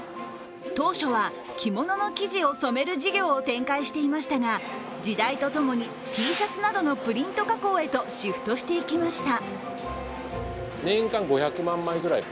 当初は着物の生地を染める事業を展開していましたが時代とともに、Ｔシャツなどのプリント加工へとシフトしていきました。